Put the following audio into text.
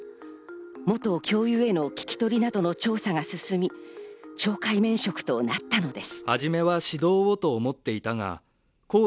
元教諭への聞き取りなどの調査が進み、懲戒免職となったのです。